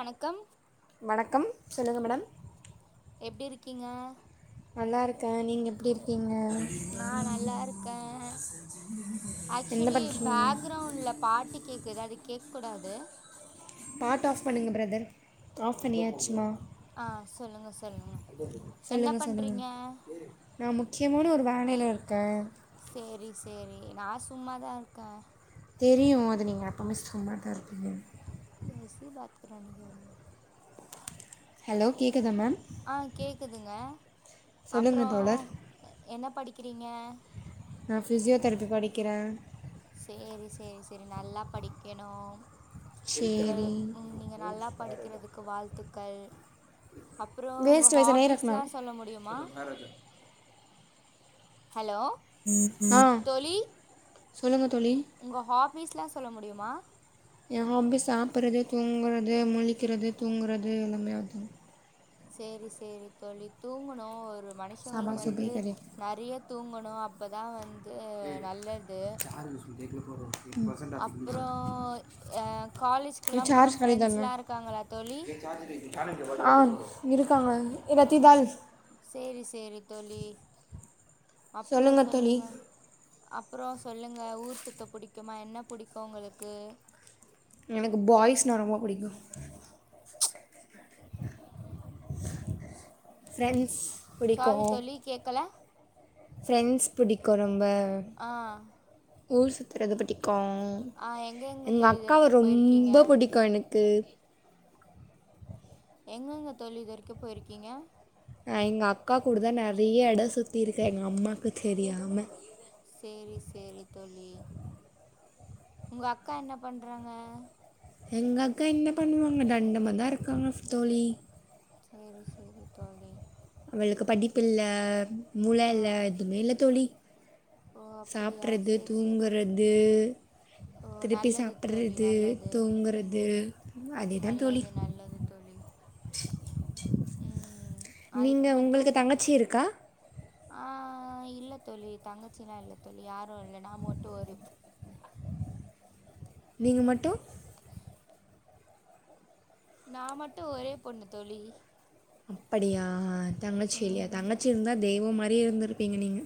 வணக்கம் சொல்லுங்க மேடம் எப்டி இருக்கிங்க நல்லா இருக்கே நீங்கள் எப்பிடி இருக்கிங் நா நல்லாருக்கே என்ன ஆக்சுலி பண்ணுறீங்க பேக்ரவுண்ட்ல பாட்டு கேக்குது அது கேக்க கூடாது ஆஃப் பண்ணியாச்சுமா ஆ சொல்லுங்க சொல்லுங்க என்ன பண்றிங்க கியமான ஒரு வேளையில இருக்க சேரி சேரி நா சும்மாதா இருக்க தெரியு அது நீங்க எப்பமே சும்மாதா இருப்பிங்கனு நீங்க எஸ்ஸி பாத்கரா நீங்க ஹெலோ கேக்குதா மேம் ஆ கேக்குதுங்க அப்றோ சொல்லுங்கள் தோழர் என்ன படிக்கிறிங்க நா ஃபிஸியோதெரபி படிக்கிற சேரி சேரி செரி நல்லா படிக்கணும் உங்கள் சரி நீங்க நல்லா படிக்கிறதுக்கு வாழ்த்து க்கள் அப்புறோ உங்க வேஸ்ட் வயசு நேரம் ஹாபிஸ்லா இருக்கணும் சொல்ல முடியுமா ஹலோ தோழி சொல்லுங்க த் உங்க ஹாப் பீஸ்ல்லாம் சொல்ல முடியுமா என் ஹாப்பீஸ் சாப்புட்றது தூங்குறது முழிக்கிறது தூங்குறது எல்லாமே அதான் சேரி சேரி தோழி தூங்கணு ஒரு மனுஷங்களுக்கு சாம்பார் சூப்பி வந்து கறி நெறய தூங்கணு அப்பதான் வந் [unintelligible] அப்புறோ அ காலேஜ்க்குலா போனா ஃப்ரெண்ட்ஸ்லா இருக்காங்களா தோழி ஆ இருக் க்காங்க ரத்தி தால் செரி செரி தோழி அப்பறோ சொல்லுங்கள் தோழி சொல்லுங்க அப்பறோ சொல்லுங்க ஊர் சுத்தப் பிடிக்குமா என்ன பிடிக்கும் உங்களுக்கு எனக்கு பாய்ஸ்னா ரொம்ப பிடிக்கூ ஃப்ரெண்ட்ஸ் சாரி பிடிக்கும் தோழி கேக்கல ஃப்ரெண்ட்ஸ் பிடிக்கூ ரொம்ப ஆ ஊர் சுத்துரதுப் பிடிக் ஆ எங்கெங்க [unintelligible] எங்க தோழி இது அக்காவ வரைக்கு போயிருக்கீங்க ரொம்ப பிடிக்கூ எனக்கு எங்கெங்க தோழி இது வரைக்கூ போயிருக்கீங்க அஹ் எங்க அக்கா கூடதான் நெறைய எடம் சுத்தி இருக்கே எங்க அம்மாக்கு தெரியாம செரி செரி தோழி உங்க அக்கா என்ன பண்றாங்க எங்க அக்கா என்ன பண்ணுவாங்க தண்டமா தான் இருக்காங்கத் தோழி செரி செரி தோழி வளுக்கு படிப்பு இல்ல மூள ஆ இல்ல எதுவுமே இல்ல தோழி ஓ அப்படியா சாப்ட்றது சேரி சேரி தூங்குறது ஓ திருப்பி நல்லது தோழி சாப்பிட்றது நல்லது தூங்குறது உம் அதே தான் தோழி நல்லது நல்லது தோழி ம் நீங்க உங்களுக்கு தங்கச்சி இருக்கா ஆஹ் இல்ல தோழி தங்கச்சில்லாம் இல்ல தோழி யாரும் இல்ல நான் மட்டும் ஓரு நீங்க மட்டு நான் மட்டு ஒரே பொண்ணு தோழி அப்படியா தங்கச்சில்லயா ம் தங்கச்சி இருந்தா தெய்வ மாரி இப்பிடியே இருந்துருப்பிங்க நீங்க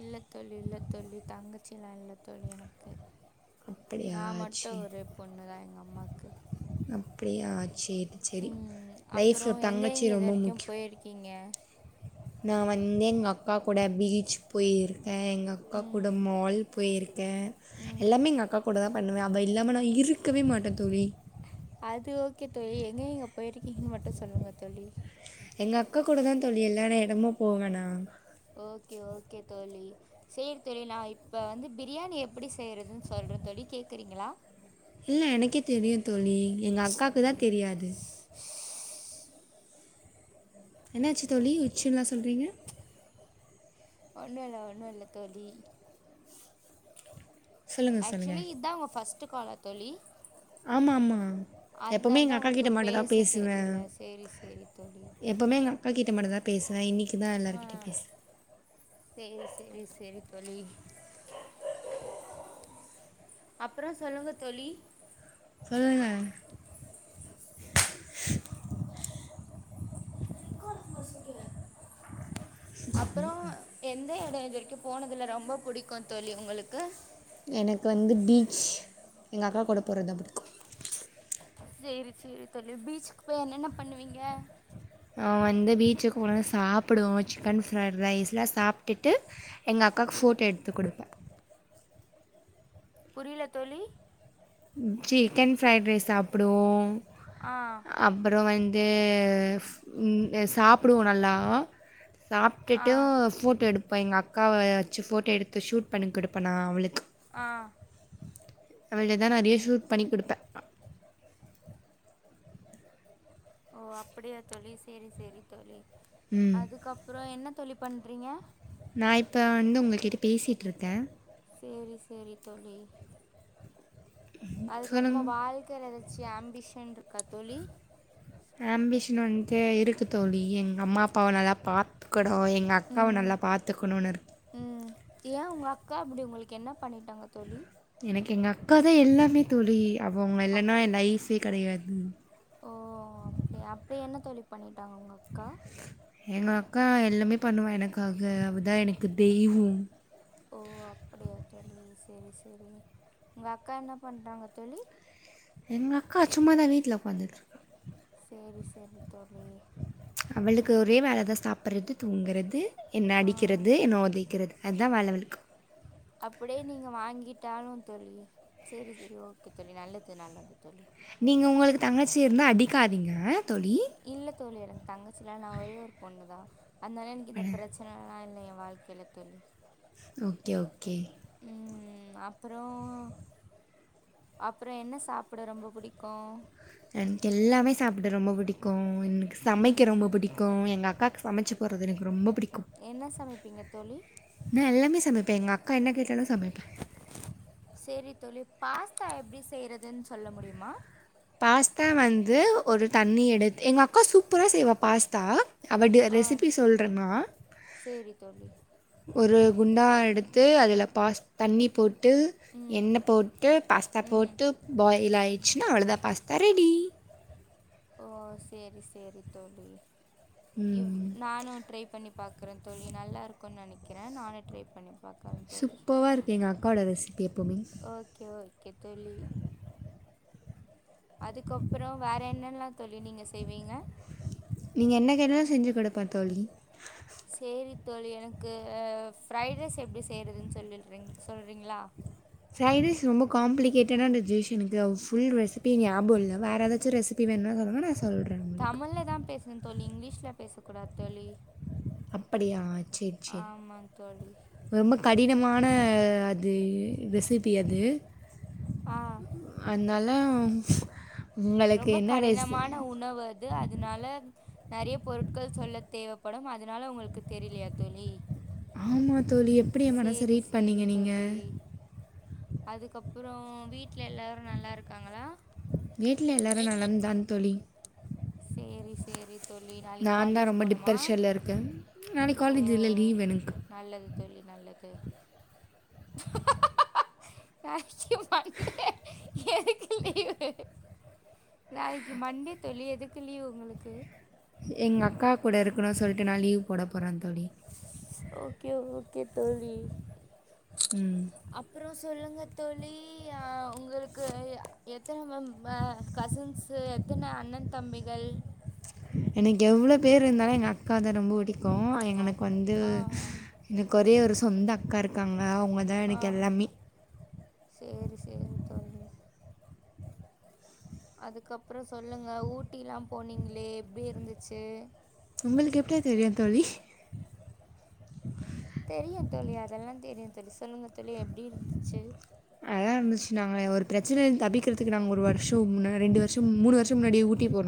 இல்ல தோழி இல்ல தோழி தங்கச்சிலா இல்ல தோழி எனக்கு அப்படியா நா மட்டோ சரி ஒரே பொண்ணுதா எங்க அம்மாக்கு அப்டியா சேரி சேரி ம் லைஃப்ல அப்புறம் ஒர் எங்கே தங்கச்சி எங்கே இது ரொம்போ வரைக்கும் முக்கியோ போயிருக்கீங்க நா வந்து எங்க அக்கா கூட பீச் போயி தே எங்க அக்கா கூட ம் மால் போயிர் கே ம் எல்லாமே எங்க அக்கா கூடதா பண்ணுவே அவ இல்லாம நா இருக்கவே மாட்டே தோழி அது ஓகே தோழி எங்கெங்க போயிருக்கீங்க மட்டோ சொல்லுங்க தோழி எங்க அக்கா கூடதா தோழி எல்லான எடமும் போவே நா ஓகே ஓகே தோழி செரி தோழி நா இப்ப வந்து பிரியாணி எப்டி செய்றதுன்னு சொல்றே தோழி கேக்குறீங்களா இல்ல எனக்கே தெரியு தோழி எங்க அக்காக்குதா தெரியாது என்னாச்சு தோழி உச்சுன்லா சொல்றீங்க ஒண்ணோ இல்ல ஒண்ணோ இல்ல தோழி சொல்லுங்கள் ஆக்சுவலி இதா உங்க ஃபர்ஸ் ட்டு காலா தோழி ஆமா அம்மா எப்பமே அதனால எங்க தான் அக்கா உங்களுக்கு கிட்ட மட்டோதா பேச பேசுவே தெரியல சரி சரி தோழி எப்பமே எங்க அக்கா கிட்ட மட்டோதா பேசுவே இன்னிக்குதா எல்லார்கிட்டயு ஆ பேசுன சேரி சேரி சேரி தோழி அப்றோ சொல்லுங்க தோழி சொல்லுங்க அப்றோ எந்த எடோ இது வரைக்கோ போன இதுல ரொம்போ புடிக்கோ தோழி உங்களுக்கு எனக்கு வந்து பீச் எங்க அக்கா கூட போறதுதா புடிக்கோ செரி செரி தோழி பீச்சுக்கு போய் என்னென்ன பண்ணுவீங்க ஆ வந்து பீச்சுக்கு போனோன சாப்புடுவோ சிக்கன் ஃப்ரைட் ரைஸ்லா சாப்ட்டுட்டு எங்க அக்காக்கு ஃபோட்டோ எடுத்து குடுப்பே புரில தோழி உம் சிக்கன் ஃப்ரைட் ரைஸ் சாப்புடுவோ ஆ அப்றோ வந் தேஃப் உம் ஏ சாப்புடுவோ நல்லா ஆ சாப்ட்டுட்டூ ஃபோட்டோ எடு இப்ப எங்க அக்காவ வச்சு ஃபோட்டோ எடுத்து ஷூட் பண்ணி குடுப்பே நா அவளுக்கு ஆ அவளு தா நா நெறைய ஷூட் பண்ணி குடுப்பே ஓ அப்டியா தோழி செரி செரி தோழி ம். அதுக்கப்புறோ என்ன தோழி பண்றீங்க நா இப்ப வந்து உங்ககிட்ட பேசிட் இருக்கே செரி செரி தோழி அதுக்கப்பறம சொல்லுங்க. வாழ்கைல எதாச்சு சாம்பிஷன் இருக்கா தோழி ஆம்பிஷன் வந்து இருக்கு தோழி. எங்க அம்மா அப்பாவ நல்லா பார்த்து [unintelligible] எங்கள் அக்காவை ம் நல்லா பார்த்துக்கணுனு இருக்கே ஏன் உங்க அக்கா அப்டி உங்களுக்கு என்ன பண்ணிட்டாங்க தோழி எனக்கு எங்க அக்கா தான் எல்லாமே தோழி அவங்க அப் இல்லைன்னா என் லைஃப் கெடையாது ஓ அப்டி அப்டி என்ன தோழி பண்ணிட்டாங்க உங்க அக்கா எங்க அக்கா எல்லாமே பண்ணுவா எனக்காக அவதான் எனக்கு தெய்வு ஓ அப்டியா தோழி செரி செரி உங்க அக்கா என்ன பண்றாங்க தோழி எங்க அக்கா சும்மாதான் வீட்டுல உக்காந்துட்டு இருக் சேரி சேரி தோழி அவளுக்கு ஒரே வேலை தான் சாப்புட்றது தூங்குறது என்ன ஆ அடிக்கிறது என்ன உதைக்கிறது அதுதான் வேலவலக்கு அப்படியே நீங்க வாங்கிட்டாலும் தோழி செரி செரி ஓகே தோழி நல்லது நல்லது தோழி நீங்க உங்களுக்கு தங்கச்சி இருந்தா அடிக்காதீங்க தோழி இல்ல தோழி எனக் தங்கச்சிலா இல்ல நான் ஒரே ஒரு பொண்ணு தான் அதனால எனக்கு இந்த பிரச்சன எல்லாம் இல்ல வாழ்கைல தோழி ஓகே ஓகே உம் அப்பறோ அப்பறோ என்ன சாப்ட ரொம்ப பிடிக்கூ எனக்கு எல்லாமே சாப்ட ரொம்ப பிடிக்கும் எனக்கு சமைக்க ரொம்ப ம் பிடிக்கும் எங்கள் அக்காக்கு சமைச்சு போடுறது எனக்கு ரொம்ப பிடிக் என்ன சமைப்பீங்க தோழி நான் எல்லாமே சமைப்பேன் எங்கள் அக்கா என்ன கேட்டாலும் சமைப்பேன் செரி தோழி பாஸ்தா எப்படி செய்றதுன்னு சொல்ல முடியுமா பாஸ்தா வந்து ஒரு தண்ணி எடுத்து எங்க அக்கா சூப்பரா செய்வா பாஸ்தா அவ ஆ ரெசிபி சொல்றேண்ணா சேரி தோழி ஒரு குண்டா எடுத்து அதில் பாஸ் தண்ணி போட்டு போட்டு ம் எண்ண போட்டு பாஸ்தா ம் போட்டு பாயில் ஆயிட்டு ச்சு அவளதான் பாஸ்தா ரெடி ஓ செரி செரி தோழி இவ் நானு ட்ரை பண்ணி பாக்குறே தோழி நல்லா இருக்கும்னு நெனைக்கிறே நானே ட்ரை பண்ணி பா சுப்பர்வா இருக்கு எங்க அக்காவோட ரெசிபி எப்போவுமே ஓக்கே ஓக்கே தோழி அதுக்கப்புறம் வேற என்னல்லாம் தோழி நீங்க செய்வீங்க குடுப்பன் தோழி செரி தோழி எனக்கு ஃபரைட் ரைஸ் எப்டி செய்யறதுன்னு சொல்லிற் சொல்றீங்களா ஃப்ரைட் ரைஸ் ரொம்ப காம்ப்ளிகேட்டான டிஷ் எனக்கு ஃபுல் ரெிசிபி நியாபகம் இல்ல வேறு ஏதாச்சும் ரெஸிப்பி வேணும்னா சொல்லுங்க நான் சொல்கிறேன் உங்களுக்கு தமிழ்ல தான் பேசணு தோழி இங்கிலீஷ்ல பேச கூடாது தோழி அப்படியா செரி செரி ஆமா தோழி ரொம்ப கடினமா ஆன அது ரெசிபி அது ஆஹ் அத்னால ரொம்ப கடினமான உணவு அது அதனால நெறைய பொருட்கள் சொல்ல தேவப்படும் அதனால உங்களுக்கு தெரிலையா தோழி ஆமா தோ தோழி எப்படி மனசு சேரி ரீட் பண்ணிங்க நீங்க அதுக்கப்புறம் வீட்ல எல்லாரும் நல்லா இருக்காங்களா வீட்ல எல்லாரும் நலம் தான் தோழி செரி செரி நான் தான் ரொம்ப டிப்ரெஷன்ல இருக்கேன் நாளைக்கு ஓ காலேஜ் இல்ல லீவ் எனக்கு நல்லது [inaudible] நாளைக்கு மண்டே எதுக்கு லீவு நாளைக்கு மண்டே தோழி எதுக்கு லீவ் உங்களுக்கு எங்க அக்கா கூட இருக்கணும் சொல்லிட்டு நான் லீவ் போட போறேன் தோழி ஓக்கே ஓக்கே தோழி உம் அப்புறோ சொல்லுங்க தோழி ஆ உங்களுக்கு எத்தன கசின்ஸு எத்தன அண்ணன் தம்பிகள் எனக்கு எவ்வளவு பேர் இருந்தாலும் எங்க அக்கா தான் ரொம்ப புடிக்கும் க்கும் புடிக்கு எனக்கு வந்து ஆ ஒரே ஒரு சொந்த அக்கா இருக்காங்க அவங்க தான் எனக்கு ஆஹ் எல்லாமே செரி செரி தோழி அதுக்கப்புறம் சொல்லுங்க ஊட்டிலாம் போனீங்களே எப்டி இருந்துச்சு உங்களுக்கு எப்டி தெரியும் தோழி தெரியும் தோழி அதெல்லாம் தெரியும் தோழி சொல்லுங்க தோழி எப்டி இருந்துச்சு நல்லா இருந்துச்சு நாங்க ஒரு பிரச்சனே தபிக்கிறதுக்கு நாங் ஒரு வருஷோ முன்ன ரெண்டு வருஷோ மூணு வருஷோ முன்னாடி ஊட்டி போன்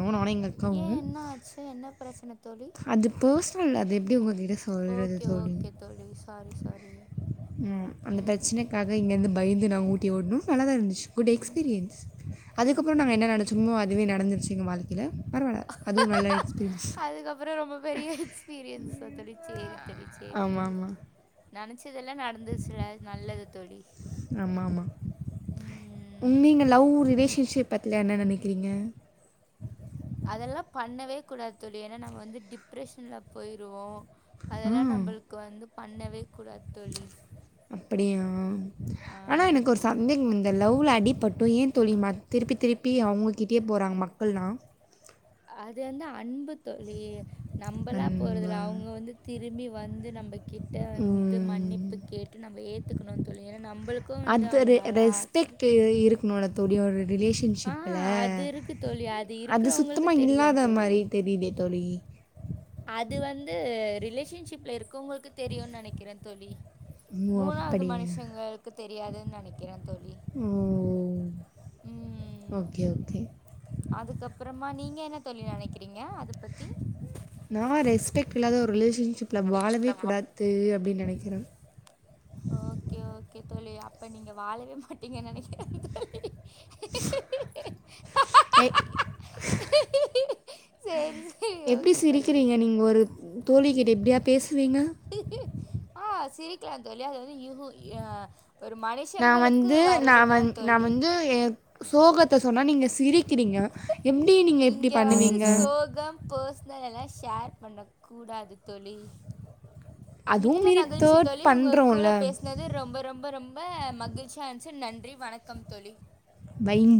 ஏ என்ன ஆச்சு என்ன பிரச்சன தோழி அதுப்பூஸ் துல்ல அது எப்டி உங்க கிட்ட சொல்றது ஓகே தோழி ஓகே தோழி சாரி சாரி உம் அந்த ம் பிரச்சனைக்காக இங்கந்து பயந்து நா ஊட்டி ஓடுனு நல்லாதா இருந்துஞ் ச்சு குட் ம் எக்ஸ்பீரியன்ஸ் அதுக்கப்புறோ நாங்க என்ன ம் நெனச்சோமோ அதுவே நடந்துரு சி எங்க வாழ்க்கைல பரவால்ல அதுவு நல்ல எக்ஸ்பீரியன்ஸ் அதுக்கப்புறம் ரொம்ப பெரிய எக்ஸ்பீரியன்ஸா தோழி சேரி தோழி சேரி ஆமாம் தோழி ஆமாம் நெனச்சதெல்லா நடந்துச்சில நல்லது தோழி ஆம்மா ஆம்மா உண் ம். நீங்க லவ்வு ரிலேஷி ட்சி பத்தில என்ன நெனைக்கிறீங்க அதெல்லா பண்ணவே கூடாது தோழி ஏன்னா நம்ம வந்து டிப்ரஷன்ல போயிருவோ அதெல்லா ஆ நம்மளுக்கு வந்து பண்ணவே கூடாத் தோழி அப்படியா ஆனா ஆமா எனக்கு ஒரு தோழி. சந்தேங் வந்தல் லவ்ல அடிப்பட்டு ஏ தோழி மத் திருப்பி திருப்பி அவங்ககிட்டேயே போறாங்க மக்கள்லா அது வந்து அ அன்பு தோழி நம்பலா அண்ட் போறதில அவங்க வந்து திரும்பி வந்து நம்ம கிட்ட வந்து மன்னிப்பு கேட்டு நம்ம ஏத் த்துக்குணு தோழி ஏ அது ரெ ரெஸ்பெக்ட் இ இரு னோட துடி ஒரு ஆ ரிலேஷன்ஷிப்புல அது இருக்கு தோழி. அது இருக்கிறவங்களுக்கு சுத்தமா தெரியும் இல்லாத தோழி. மாரி தெரியுதே தோழி அது வந்து ரிலேஷன்ஷிப்ல இரு கங்களுக்கு தெரியு நெனைக்கிறே தோழி ஓ மூணாவது அப்படியா மனுஷங்களுக்கு தெரியாதுன் நெனைக்கிறே தோழி ஓ உம் ஓகே ஓகே அதுக்கப்புறமா நீங்க என்ன தோழி நெனைக்கிறீங்க அத பத்தி நா ரெஸ்பெக்ட் இல்லாத ஒரு ரிலேஷன் சிப்ல வாழவே கூடாது அ அப்டின் நெனைக்கிறே ஓகே ஓகே தோழி அப்ப நீங்க வாழவே மாட்டீங்கு நெனைக்கிறே தோழி எ சரி சரி எப்டி ஓகே தோழி சிரிக்கிறீங்க ஓகே. நீங்க ஒரு தோழி கி இப்டியா பேஸ் ஆ சிரிக்கலா தோழி [unintelligible] நா மனுஷங்களுக்கு வந்து நா வர்றதுதா வந்து நா தோழி வந்து சோகத் சொன்னா நீங்க சிரி இருக்றிங்க எப்டி நீங்க இப்டி இங்க வந்து பண்ணுவீங்க சோகம் பர்சனல் எல்லா ஷேர் பண்ண கூடாது தோழி மிக்க அதுவும் மீறி மகிழ்ச்சி தேர்ட் தோழி உங்க கூட பண்ணுறோம்ல பேசுனது ரொம்ப ரொம்ப ரொம்ப ரொம்ப மகிழ்ச்சியார்ஞ்ச்சு நன்றி வணக்கம் தோழி வைங்